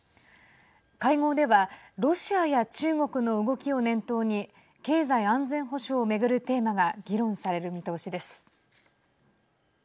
会合ではロシアや中国の動きを念頭に経済安全保障を巡るテーマが議論される見通しです。